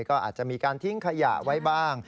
ก็อาจจะมีการทิ้งขยะไว้บ้าง